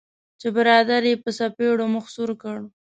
چې برادر یې په څپیړو مخ سور کړ.